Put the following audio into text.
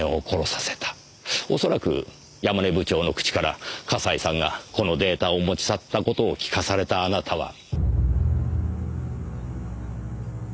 おそらく山根部長の口から笠井さんがこのデータを持ち去った事を聞かされたあなたは。